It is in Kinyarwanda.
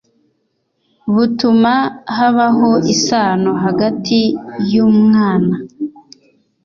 butuma habaho isano hagati y umwana